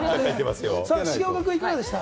重岡君、いかがでした？